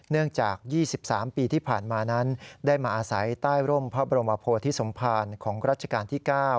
เนื่องจาก๒๓ปีที่ผ่านมานั้นได้มาอาศัยใต้ร่มพระบรมโพธิสมภารของรัชกาลที่๙